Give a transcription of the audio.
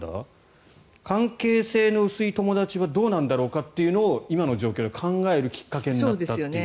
関係性の薄い友達はどうなんだろうかっていうのを今の状況で考えるきっかけになったという。